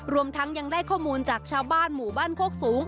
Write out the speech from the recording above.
รวมทั้งยังได้ข้อมูลจากชาวบ้านหมู่บ้านโคกสูง